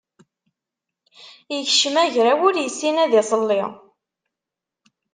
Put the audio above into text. Ikcem agraw, ur issin ad iṣelli.